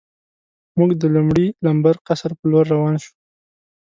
موږ د لومړي لمبر قصر په لور روان شو.